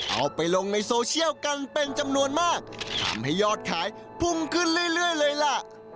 เอาไปลงในโซเชียลกันเป็นจำนวนมากทำให้ยอดขายพุ่งขึ้นเรื่อยเลยล่ะ